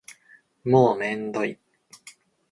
もうめんどい